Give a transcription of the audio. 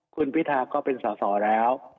คุณพิธาก็เป็นสอสอแล้ว